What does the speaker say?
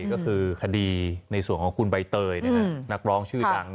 ก็คือคดีในส่วนของคุณใบเตยนักร้องชื่อดัง